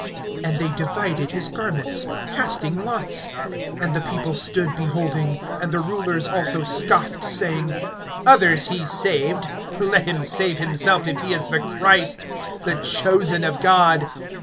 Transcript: And they divided his garments, casting lots. (35)And the people stood beholding. And the rulers also scoffed, saying: Others he saved; let him save himself, if he is the Christ, the chosen of God.